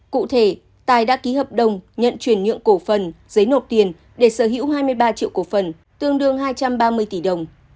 cụ thể tài đã ký hợp đồng nhận chuyển nhượng cổ phần giấy nộp tiền để sở hữu hai mươi ba triệu cổ phần tương đương hai trăm ba mươi tỷ đồng